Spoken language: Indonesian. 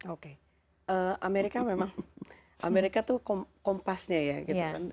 oke amerika memang amerika tuh kompasnya ya gitu kan